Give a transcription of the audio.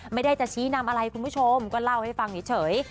ไม่ได้จะชี้นำอะไรคุณผู้ชมก็เล่าให้ฟังเฉย